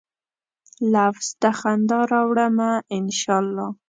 لفظ ته خندا راوړمه ، ان شا الله